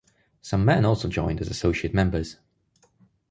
Some men also joined as associate members.